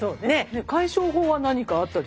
解消法は何かあったりする？